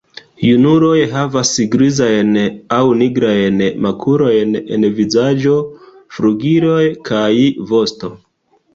Junuloj havas grizajn aŭ nigrajn makulojn en vizaĝo, flugiloj kaj vosto.